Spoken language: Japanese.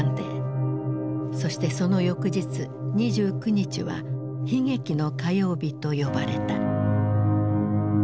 そしてその翌日２９日は悲劇の火曜日と呼ばれた。